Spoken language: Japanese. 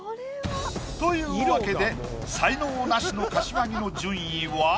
というわけで才能ナシの柏木の順位は。